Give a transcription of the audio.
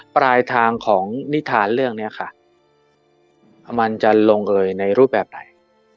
ปลายทางของนิทานเรื่องนี้ค่ะมันจะลงเอยในรูปแบบไหน